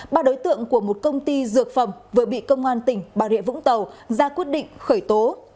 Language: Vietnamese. ba đối tượng của một công ty dược phẩm vừa bị công an tỉnh bà rịa vũng tàu ra quyết định khởi tố